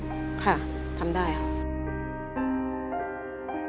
ค่ะทำได้ค่ะ